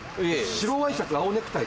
白ワイシャツ青ネクタイ